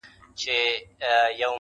مثبت فکر پرمختګ راولي.